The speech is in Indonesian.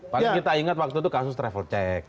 paling kita ingat waktu itu kasus travel check